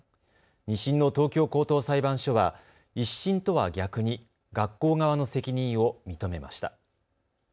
２審の東京高等裁判所は１審とは逆に学校側の責任を認めました。